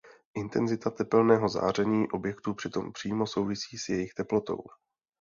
Intenzita tepelného záření objektů přitom přímo souvisí s jejich teplotou.